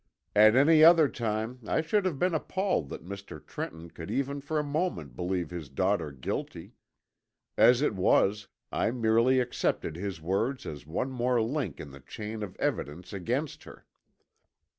At any other time I should have been appalled that Mr. Trenton could even for a moment believe his daughter guilty. As it was, I merely accepted his words as one more link in the chain of evidence against her.